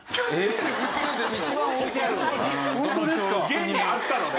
現にあったのね？